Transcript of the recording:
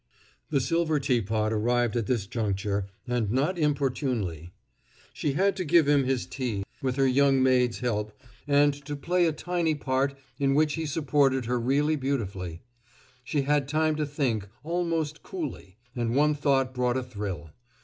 The silver teapot arrived at this juncture, and not inopportunely. She had to give him his tea, with her young maid's help, and to play a tiny part in which he supported her really beautifully. She had time to think, almost coolly; and one thought brought a thrill.